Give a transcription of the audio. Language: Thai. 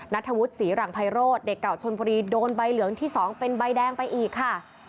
นัทธวุฒิศรีหลังไพโรธเด็กเก่าชนบุรีโดนใบเหลืองที่๒เป็นใบแดงไปอีกค่ะ